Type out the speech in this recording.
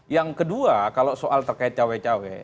yang kedua kalau soal terkait cawe cawe